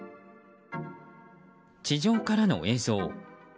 地上からの映像。